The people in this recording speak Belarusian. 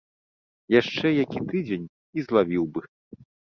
Яшчэ які тыдзень, і злавіў бы.